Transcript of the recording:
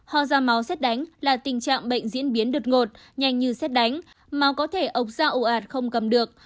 hô da máu xét đánh là tình trạng bệnh diễn biến đột ngột nhanh như xét đánh máu có thể ốc ra ồ ạt không cầm được